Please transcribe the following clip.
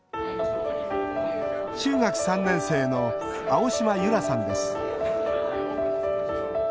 中学３年生の青嶋由空さんです。